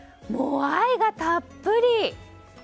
もう、愛がたっぷり！